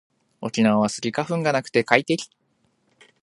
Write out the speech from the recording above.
沖縄はスギ花粉がなくて快適